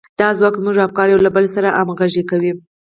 دا ځواک زموږ افکار يو له بل سره همغږي کوي.